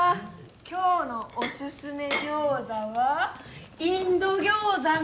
今日のおすすめ餃子はインド餃子の。